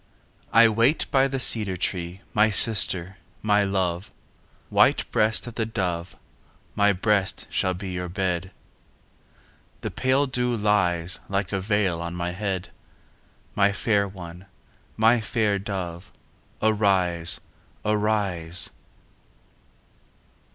I wait by the cedar tree, My sister, my love, White breast of the dove, My breast shall be your bed. The pale dew lies Like a veil on my head. My fair one, my fair dove, Arise, arise!